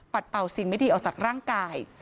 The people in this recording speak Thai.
เป่าสิ่งไม่ดีออกจากร่างกาย